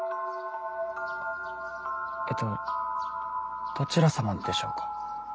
えっとどちら様でしょうか？